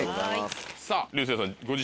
さぁ流星さん。